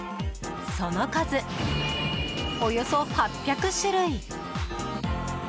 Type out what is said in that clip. その数およそ８００種類。